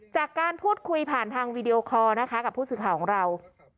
จากการพูดคุยผ่านทางวีดีโอคอร์นะคะกับผู้สื่อข่าวของเรา